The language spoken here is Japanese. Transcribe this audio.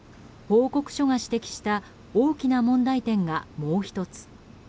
報告書が指摘した大きな問題点が、もう１つ。